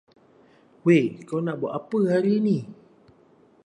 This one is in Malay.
Wei kau nak buat apa hari ini.